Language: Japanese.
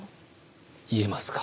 言えますか？